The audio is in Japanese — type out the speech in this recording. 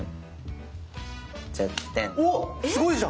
おすごいじゃん！